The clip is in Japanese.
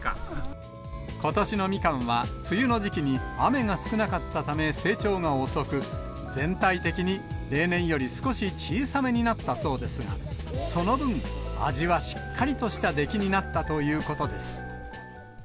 ことしのミカンは、梅雨の時期に雨が少なかったため成長が遅く、全体的に例年より少し小さめになったそうですが、その分、味はしっかりとした出来になったということです。